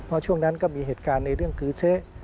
เพราะช่วงนั้นก็มีเหตุการณ์ในเรื่องคือเจ๊